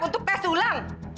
untuk tes ulang